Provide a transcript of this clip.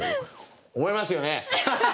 思いますよね！